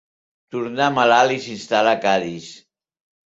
Tornà malalt, i s'instal·là a Cadis.